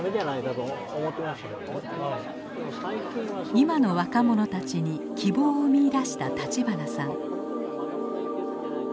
今の若者たちに希望を見いだした立花さん。